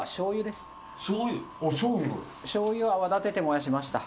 しょうゆを泡立てて燃やしました。